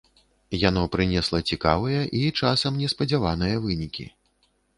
Яно прынесла цікавыя і часам неспадзяваныя вынікі.